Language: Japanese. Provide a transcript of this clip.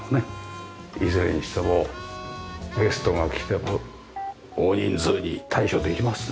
いずれにしてもゲストが来ても大人数に対処できますね。